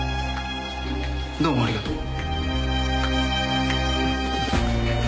どうもありがとう。